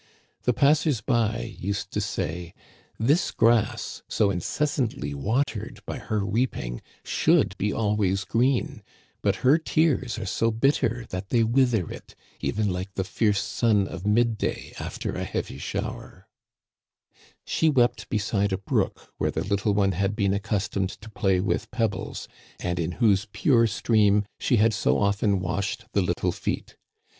The passers by used to say :* This grass, so incessantly watered by her weeping, should be always green ; but her tears are so Digitized by VjOOQIC l6o THE CANADIANS OF OLD, bitter that they wither it, even like the fierce sun of mid day after a heavy shower.' " She wept beside a brook where the little one had been accustomed to play with pebbles, and in whose pure stream she had so often washed the little feet.